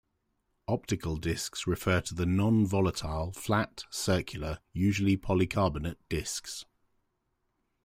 Optical discs refer to the non-volatile flat, circular, usually polycarbonate discs.